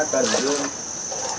hứa tình gì không